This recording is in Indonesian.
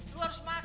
lu harus makan